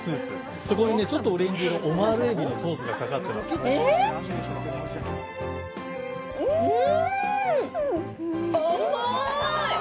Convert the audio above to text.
そこにねちょっとオレンジ色オマール海老のソースがかかってますうん！